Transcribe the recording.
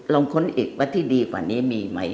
ค้นอีกว่าที่ดีกว่านี้มีไหม